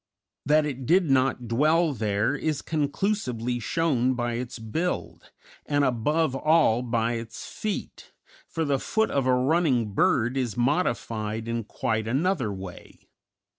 That it did not dwell there is conclusively shown by its build, and above all by its feet, for the foot of a running bird is modified in quite another way.